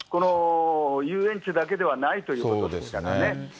遊園地だけではないということですからね。